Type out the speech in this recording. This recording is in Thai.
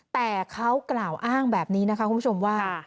แต่เขากล่าวอ้างแบบนี้นะคะคุณผู้ชมว่า